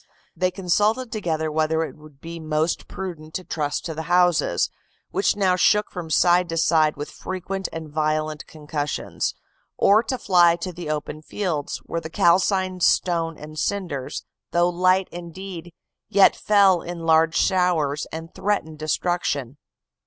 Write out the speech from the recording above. They consulted together whether it would be most prudent to trust to the houses, which now shook from side to side with frequent and violent concussions; or to fly to the open fields, where the calcined stone and cinders, though light indeed, yet fell in large showers and threatened destruction.